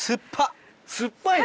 酸っぱいの？